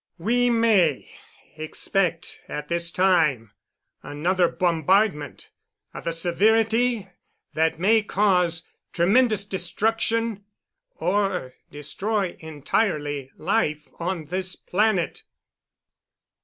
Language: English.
We may expect at this time another bombardment of a severity that may cause tremendous destruction, or destroy entirely life on this planet!